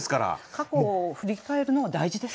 過去を振り返るのは大事です。